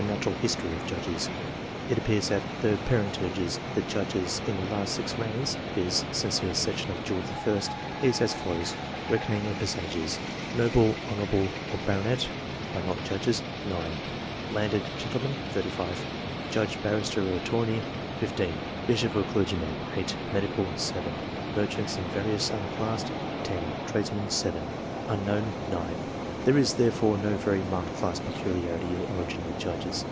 natural history " of Judges. It appears that the parentage of the Judges in the last six reigns, viz. since the accession of George I., is as follows, reckoning in percentages : noble, honourable, or baronet (but not judges), 9 ; landed gen tlemen, 35 ; judge, barrister, or attorney, 15 ; bishop or clergyman, 8 ; medical, 7 ; merchants and various, un classed, 10 ; tradesmen, 7 ; unknown, 9. There is, there fore, no very marked class peculiarity in the origin of the Judges.